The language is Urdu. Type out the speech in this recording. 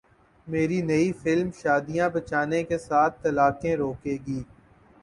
میری نئی فلم شادیاں بچانے کے ساتھ طلاقیں روکے گی